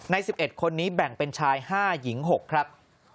ใน๑๑คนนี้แบ่งเป็นชาย๕หญิง๖ครับ